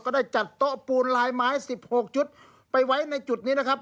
ก็ได้จัดโต๊ะปูนลายหมาย๑๖จุดไปไว้ในจุดนี้